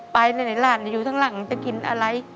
ไปไหนหลานอยู่ข้างหลังจะกินอะไร